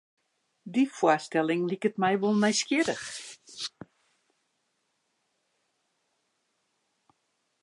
Dy foarstelling liket my wol nijsgjirrich.